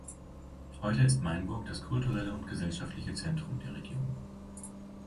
Heute ist Mainburg das kulturelle und gesellschaftliche Zentrum der Region.